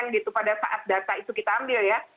gitu pada saat data itu kita ambil ya